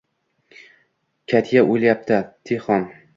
“Katya oʻlyapti. Tixon”.